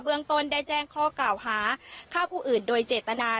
เบื้องต้นได้แจ้งข้อกล่าวหาข้าวผู้อื่นโดยเจตนา